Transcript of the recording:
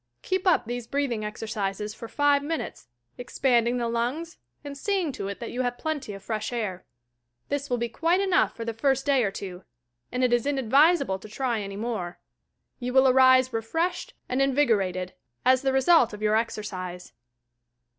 Keep up these breathing exercises for five minutes, expanding the lungs, and seeing to it that you have plenty of fresh air. This will be quite enough for the first day or two, and it is inadvisable to try any more. You will arise refreshed and invigorated, as the result of your exercise.